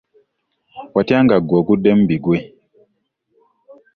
Watya nga ggwe oguddemu bigwe.